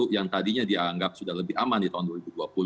yang tadinya dianggap sudah lebih aman di tahun dua ribu dua puluh